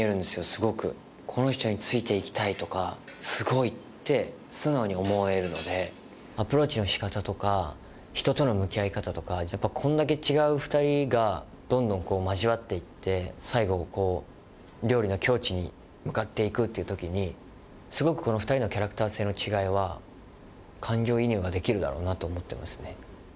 すごくこの人についていきたいとかすごいって素直に思えるのでアプローチのしかたとか人との向き合い方とかこれだけ違う２人がどんどん交わっていって最後料理の境地に向かっていくっていう時にすごくこの２人のキャラクター性の違いは感情移入ができるだろうなと思ってますね